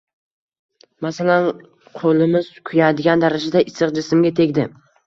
Masalan, qo’limiz kuyadigan darajada issiq jismga tegdi.